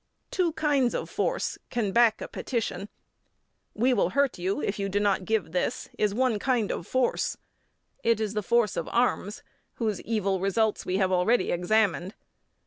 Two kinds of force can back petitions. "We will hurt you if you do not give this" is one kind of force; it is the force of arms, whose evil results we have already examined.